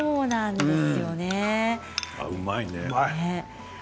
うまいね。